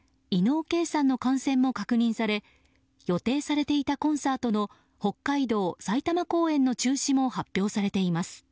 伊野尾慧さんの感染も確認され予定されていたコンサートの北海道、埼玉公演の中止も発表されています。